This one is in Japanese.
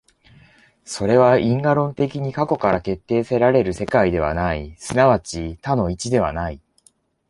それは因果論的に過去から決定せられる世界ではない、即ち多の一ではない。